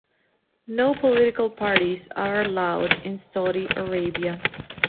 No political parties are allowed in Saudi Arabia.